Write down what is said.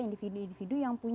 individu individu yang punya